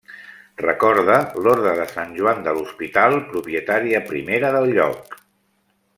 Recorda l'Orde de Sant Joan de l'Hospital, propietària primera del lloc.